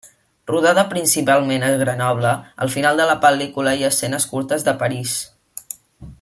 Rodada principalment a Grenoble, al final de la pel·lícula hi ha escenes curtes de París.